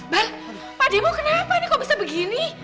pak pak demo kenapa kok bisa begini